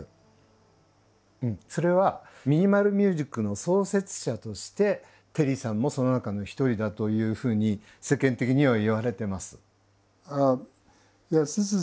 それはミニマル・ミュージックの創設者としてテリーさんもその中の一人だというふうに世間的にはいわれてます。